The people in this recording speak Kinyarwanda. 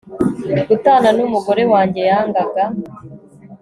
gutana n'umugore wanjye, yangaga